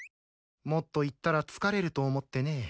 もっと行ったら疲れると思ってね。